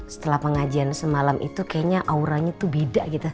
setelah pengajian semalam itu kayaknya auranya tuh beda gitu